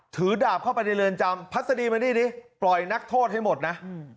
ถือดาบเข้าไปในเรือนจำพัศดีมานี่ดิปล่อยนักโทษให้หมดนะ